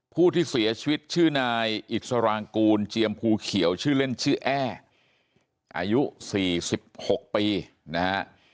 ผู้ที่เสียชีวิตชื่อนายอิสรางกูลเจียมภูเขียวชื่อเล่นชื่อแอ้อายุ๔๖ปีนะฮะ